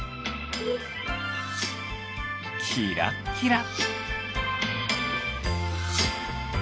キラッキラ。